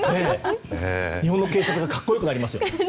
日本の警察が格好良くなりますよ。